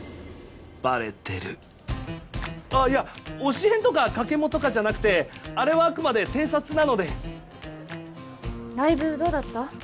あっいや推し変とかカケモとかじゃなくてあれはあくまで偵察なのでライブどうだった？